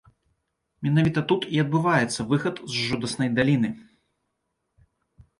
Менавіта тут і адбываецца выхад з жудаснай даліны.